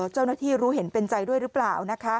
เจ้าหน้าที่รู้เห็นเป็นใจด้วยหรือเปล่า